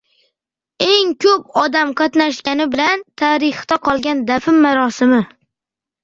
Eng ko‘p odam qatnashgani bilan tarixda qolgan dafn marosimi